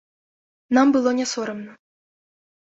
Нам было не сорамна.